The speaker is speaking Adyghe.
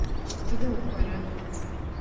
Тыдэ укӏора?